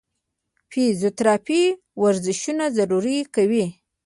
فزيوتراپي ورزشونه ضرور کوي -